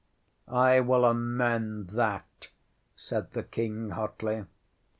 ŌĆśŌĆ£I will amend that, ŌĆØ said the King hotly.